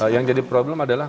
yang jadi problem adalah